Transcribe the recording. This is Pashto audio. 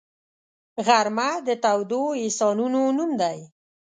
غرمه د تودو احساسونو نوم دی